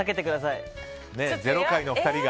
０回の２人が。